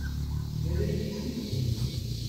Yerra-yi-ten-id.